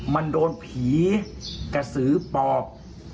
มันโดนผีกระสือปอบ